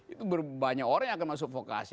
itu banyak orang yang akan masuk vokasi